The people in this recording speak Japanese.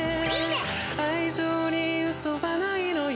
「愛情に嘘はないのよ」